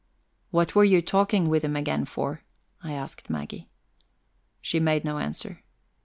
"What were you talking with him again for?" I asked Maggie. She made no answer.